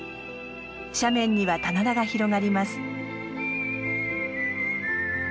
斜面には棚田が広がります。